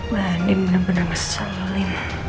masa tadi mas tadi